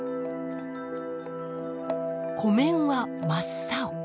湖面は真っ青。